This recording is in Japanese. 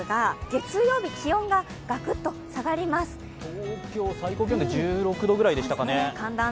東京、最高気温で１６度ぐらいでしたかね。